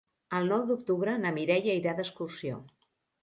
El nou d'octubre na Mireia irà d'excursió.